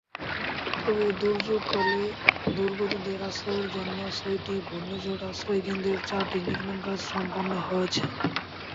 তবে দুর্যোগকালে দুর্গতদের আশ্রয়ের জন্য ছয়টি ঘূর্ণিঝড় আশ্রয়কেন্দ্রের চারটির নির্মাণকাজ সম্পন্ন হয়েছে।